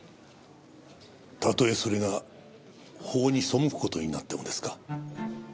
たとえそれが法に背く事になってもですか？